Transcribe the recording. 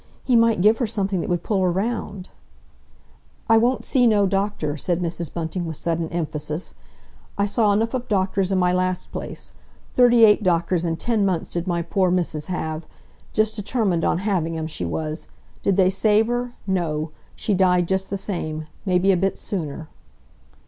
He might give her something that would pull her round." "I won't see no doctor!" said Mrs. Bunting with sudden emphasis. "I saw enough of doctors in my last place. Thirty eight doctors in ten months did my poor missis have. Just determined on having 'em she was! Did they save her? No! She died just the same! Maybe a bit sooner."